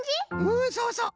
うんそうそう。